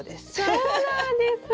そうなんです！